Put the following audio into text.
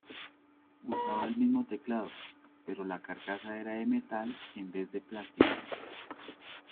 Usaba el mismo teclado, pero la carcasa era de metal en vez de plástico.